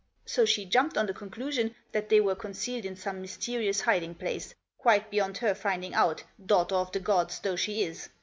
So she jumped to the Conclusion that they were concealed in some mysterious hiding place, quite beyond her finding out, daughter of the gods though she is.